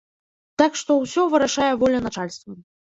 Так што ўсё вырашае воля начальства.